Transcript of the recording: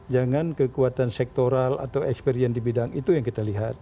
jangan kekuatan sektoral atau experience di bidang itu yang kita lihat